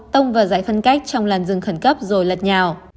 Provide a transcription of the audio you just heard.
tông vào giải phân cách trong làn rừng khẩn cấp rồi lật nhào